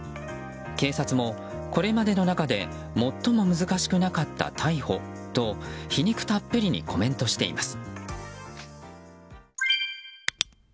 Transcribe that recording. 警察も、これまでの中で最も難しくなかった逮捕と皮肉たっぷりにコメントしています。